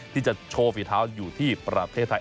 ที่จะโชว์ฝีเท้าอยู่ที่ประเทศไทย